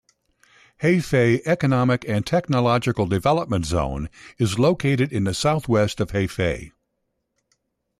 Hefei Economic and Technological Development Zone is located in the southwest of Hefei.